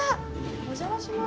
お邪魔します。